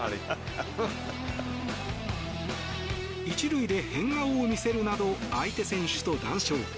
１塁で変顔を見せるなど相手選手と談笑。